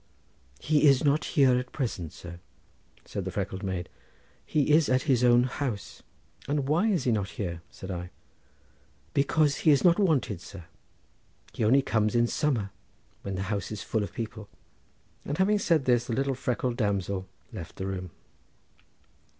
"He is not here at present, sir," said the freckled maid; "he is at his own house." "And why is he not here?" said I. "Because he is not wanted, sir; he only comes in summer when the house is full of people." And having said this the little freckled damsel left the room.